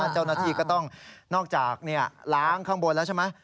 เจ้าหน้าที่ก็ต้องนอกจากล้างข้างบนแล้วใช่ไหม